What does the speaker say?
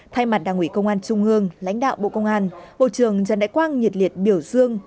thay mặt đảng ủy công an trung ương lãnh đạo bộ công an bộ trưởng trần đại quang nhiệt liệt biểu dương